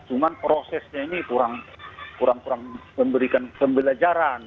cuma prosesnya ini kurang kurang memberikan pembelajaran